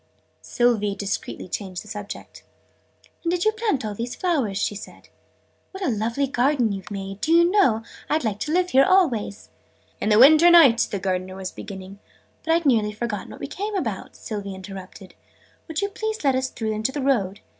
Sylvie discreetly changed the subject. "And did you plant all these flowers?" she said. "What a lovely garden you've made! Do you know, I'd like to live here always!" "In the winter nights " the Gardener was beginning. "But I'd nearly forgotten what we came about!" Sylvie interrupted. "Would you please let us through into the road?